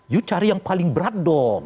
yuk cari yang paling berat dong